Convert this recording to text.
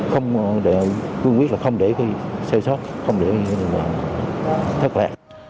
không để xeo sót không để thất lạc